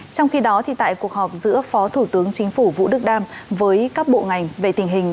trong khi đó tại cuộc họp giữa phó thủ tướng chính phủ vũ đức đam với các bộ ngành về tình hình